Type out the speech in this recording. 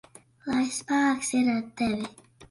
Lai spēks ir ar tevi!